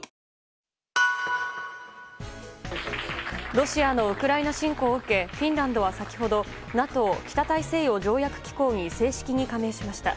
ロシアのウクライナ侵攻を受けフィンランドは先ほどＮＡＴＯ・北大西洋条約機構に正式に加盟しました。